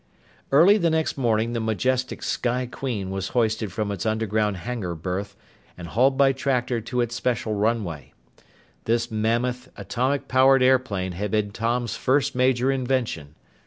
Early the next morning the majestic Sky Queen was hoisted from its underground hangar berth and hauled by tractor to its special runway. This mammoth, atomic powered airplane had been Tom's first major invention.